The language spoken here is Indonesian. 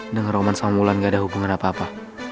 dengar roman sama mulan gak ada hubungan apa apa